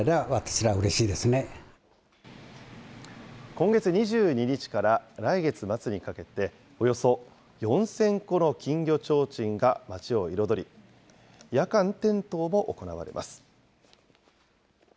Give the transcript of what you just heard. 今月２２日から来月末にかけて、およそ４０００個の金魚ちょうちんが街を彩り、夜間点灯も行われます。